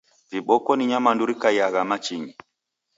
Viboko ni nyamandu rikaiyagha machinyi